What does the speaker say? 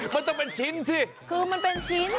มันจะเป็นชิ้นคือมันเป็นชิ้น